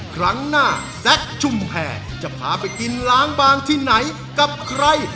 ครั้งหน้าแซคชุมแพรจะพาไปกินล้างบางที่ไหนกับใคร